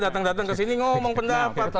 datang datang ke sini ngomong pendapat